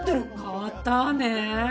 変わったわねえ。